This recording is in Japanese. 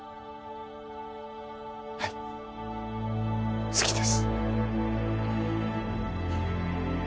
はい好きです